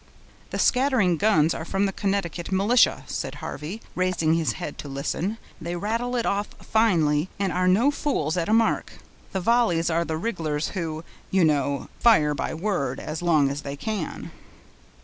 "The scattering guns are from the Connecticut militia," said Harvey, raising his head to listen; "they rattle it off finely, and are no fools at a mark. The volleys are the rig'lars, who, you know, fire by word—as long as they can."